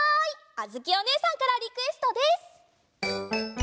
あづきおねえさんからリクエストです！